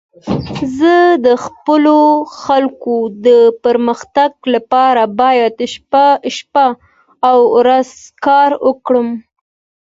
زه د خپلو خلکو د پرمختګ لپاره باید شپه او ورځ کار وکړم.